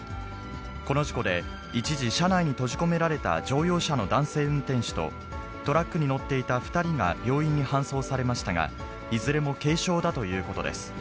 この事故で、一時、車内に閉じ込められた乗用車の男性運転手と、トラックに乗っていた２人が病院に搬送されましたが、いずれも軽傷だということです。